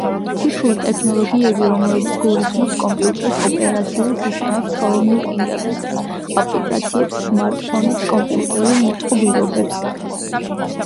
ციფრული ტექნოლოგიები, რომელიც გულისხმობს კომპიუტერს, ოპერაციულ სისტემებს, ხელოვნურ ინტელექტს, აპლიკაციებს, სმარტფონებს, კომპიუტერულ მოწყობილობებს.